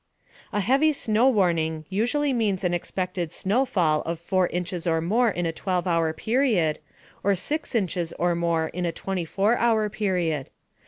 A heavy snow warning usually means an expected snowfall of 4 inches or more in a 12 hour period, or 6 inches or more in a 24 hour period.